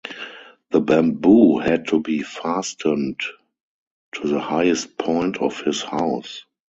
The bamboo had to be fastened to the highest point of his house.